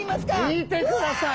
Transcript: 見てください。